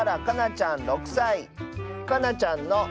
かなちゃんの。